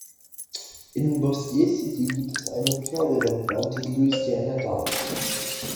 In Bossier City gibt es eine Pferderennbahn, die Louisiana Downs.